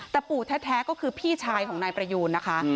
แต่ปู่แท้ก็คือพี่ชายของนายประยูนนะคะ